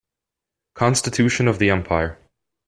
Constitution of the empire.